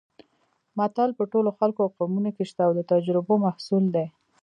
متل په ټولو خلکو او قومونو کې شته او د تجربو محصول دی